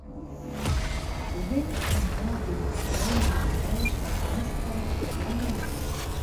وینز به د نړۍ لومړۍ پرانېسته ټولنه وي